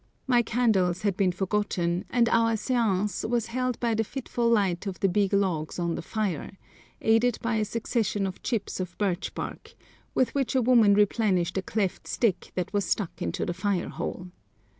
My candles had been forgotten, and our séance was held by the fitful light of the big logs on the fire, aided by a succession of chips of birch bark, with which a woman replenished a cleft stick that was stuck into the fire hole.